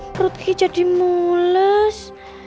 kerut gigi jadi mulus